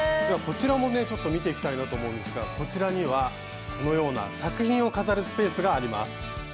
ではこちらもねちょっと見ていきたいなと思うんですがこちらにはこのような作品を飾るスペースがあります。